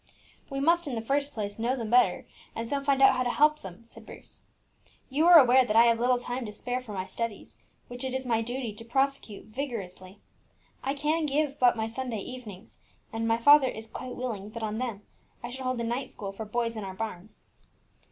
"We must, in the first place, know them better, and so find out how to help them," said Bruce. "You are aware that I have little time to spare from my studies, which it is my duty to prosecute vigorously. I can give but my Sunday evenings, and my father is quite willing that on them I should hold a night school for boys in our barn."